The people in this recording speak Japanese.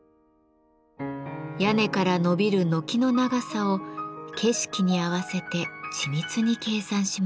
屋根からのびる軒の長さを景色に合わせて緻密に計算しました。